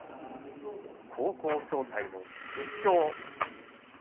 高校総体の決勝です。